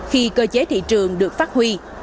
khi cơ chế thị trường được phát huy